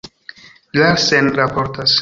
Larsen raportas.